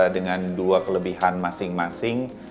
dengan dua kelebihan masing masing